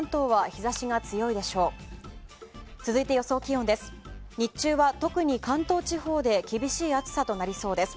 日中は特に関東地方で厳しい暑さとなりそうです。